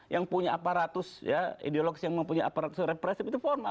yang punya aparatus ya ideolog yang mempunyai aparatus represif itu formal